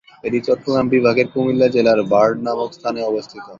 এটি চট্টগ্রাম বিভাগের কুমিল্লা জেলার "বার্ড" নামক স্থানে অবস্থিত।